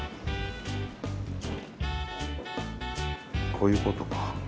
こういうことか。